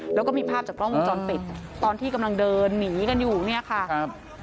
แล้วก็มีภาพจากกล้องวงจรปิดตอนที่กำลังเดินหนีกันอยู่เนี่ยค่ะครับ